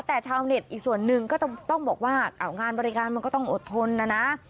แต่ชาวเน็ตอีกส่วนหนึ่งก็ต้องบอกว่างานบริการมันก็ต้องอดทนนะนะ